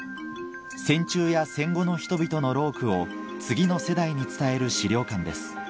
戦中や戦後の人々の労苦を次の世代に伝える資料館です